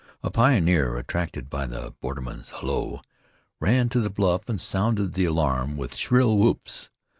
A pioneer, attracted by the borderman's halloo, ran to the bluff and sounded the alarm with shrill whoops.